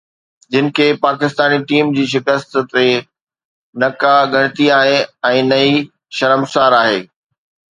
جن کي پاڪستاني ٽيم جي شڪست تي نه ڪا ڳڻتي آهي ۽ نه ئي شرمسار آهي.